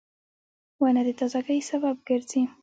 • ونه د تازهګۍ سبب ګرځي.